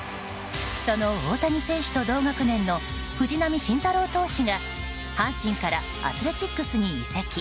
その大谷選手と同学年の藤浪晋太郎投手が阪神からアスレチックスに移籍。